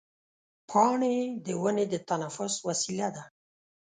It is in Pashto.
پاڼې د ونې د تنفس وسیله ده.